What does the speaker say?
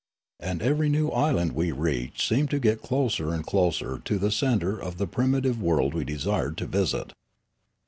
And every new island we reached we seemed to get closer and closer to the centre of the primitive world we desired to visit.